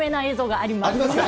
ありますか？